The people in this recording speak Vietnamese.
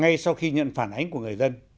ngay sau khi nhận phản ánh của người dân